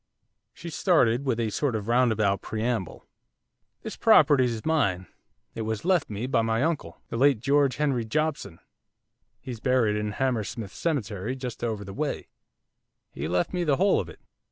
She started with a sort of roundabout preamble. 'This property is mine; it was left me by my uncle, the late George Henry Jobson, he's buried in Hammersmith Cemetery just over the way, he left me the whole of it.